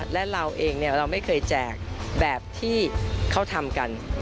และเราเองเราไม่เคยแจกแบบที่เขาทำกัน